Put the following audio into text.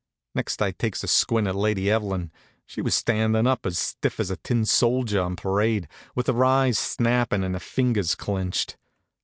Next I takes a squint at Lady Evelyn. She was standin' up as stiff as a tin soldier on parade, with her eyes snappin' and her fingers clinched.